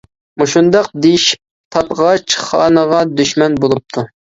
مۇشۇنداق دېيىشىپ تابغاچ خانىغا دۈشمەن بولۇپتۇ.